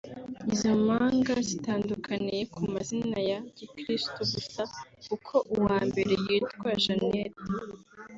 Izo mpanga zitandukaniye ku mazina ya gikristu gusa kuko uwa mbere yitwa Jeanette